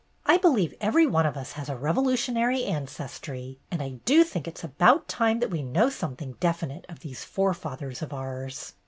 I believe every one of us has a Revolutionary ancestry, and I do think it 's about time that we know something definite of these forefathers of ours.